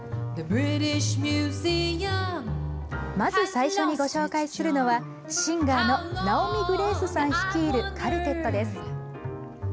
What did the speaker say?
まず最初にご紹介するのはシンガーのナオミ・グレースさん率いるカルテットです。